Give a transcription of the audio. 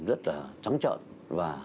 rất là trắng trợn và